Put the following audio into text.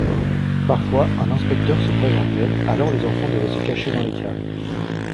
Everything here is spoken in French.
Parfois un inspecteur se présentait, alors les enfants devaient se cacher dans les caves.